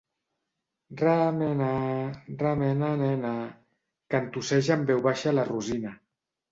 Remena, remena nena! —cantusseja en veu baixa la Rosina.